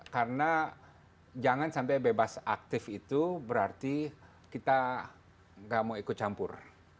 karena jangan sampai bebas aktif itu berarti kita gak mau ikut campur